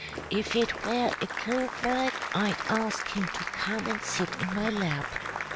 If it were a cold night I'd ask him to come and sit in my lap.